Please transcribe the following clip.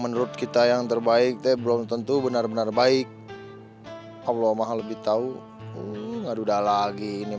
menurut kita yang terbaik belum tentu benar benar baik allah mahal lebih tahu ngadu dala lagi ini